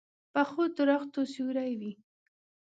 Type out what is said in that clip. پخو درختو سیوری وي